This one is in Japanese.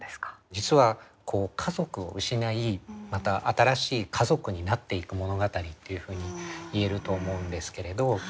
実は家族を失いまた新しい家族になっていく物語というふうに言えると思うんですけれど。